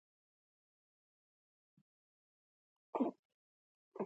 اوبه خړوي او ماهيان پکښي نيسي.